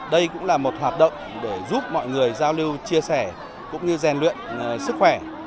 đây cũng là một hoạt động để giúp mọi người giao lưu chia sẻ cũng như rèn luyện sức khỏe